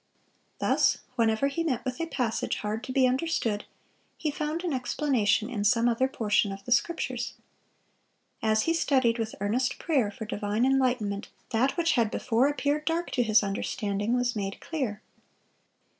Thus whenever he met with a passage hard to be understood, he found an explanation in some other portion of the Scriptures. As he studied with earnest prayer for divine enlightenment, that which had before appeared dark to his understanding was made clear.